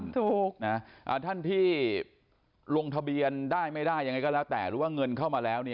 ถูกนะท่านที่ลงทะเบียนได้ไม่ได้ยังไงก็แล้วแต่หรือว่าเงินเข้ามาแล้ว